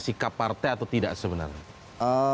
sikap partai atau tidak sebenarnya